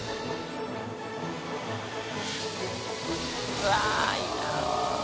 うわぁいいな。